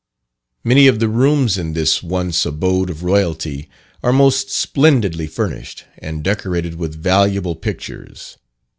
Many of the rooms in this once abode of Royalty, are most splendidly furnished, and decorated with valuable pictures.